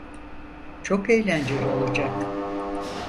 Çok eğlenceli olacak.